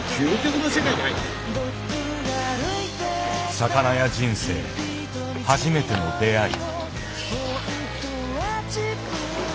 魚屋人生初めての出会い。